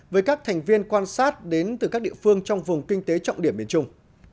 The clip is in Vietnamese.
với các thành viên quan sát đến từ các địa phương trong vùng kinh tế trọng điểm miền trung